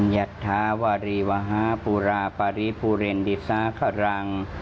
ยัทธาวรีวะฮาปุราปาริพุเรนดิสาขราง